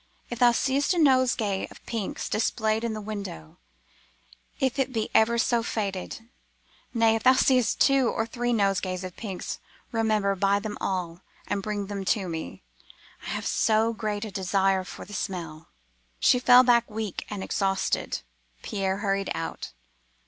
If thou seest a nosegay of pinks displayed in the window, if it be ever so faded—nay, if thou seest two or three nosegays of pinks, remember, buy them all, and bring them to me, I have so great a desire for the smell.' She fell back weak and exhausted. Pierre hurried out.